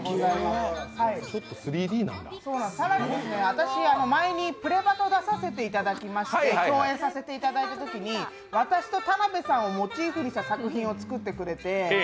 ただ、私、前に「プレバト！！」出させてもらいまして共演させてもらったときに私と田辺さんをモチーフにした作品を作ってくださって。